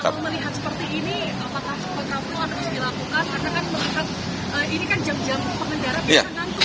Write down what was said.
karena kan ini jam jam kendaraan bisa nangkut ya pak ya